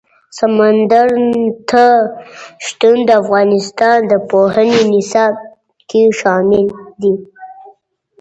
سمندر نه شتون د افغانستان د پوهنې نصاب کې شامل دي.